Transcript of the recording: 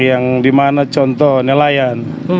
yang dimana contoh nelayan